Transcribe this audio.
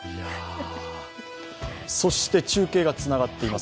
そして中継がつながっています。